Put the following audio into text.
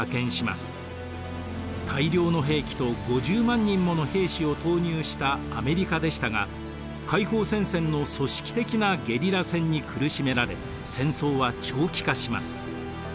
大量の兵器と５０万人もの兵士を投入したアメリカでしたが解放戦線の組織的なゲリラ戦に苦しめられ戦争は長期化します。